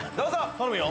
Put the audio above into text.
頼むよ！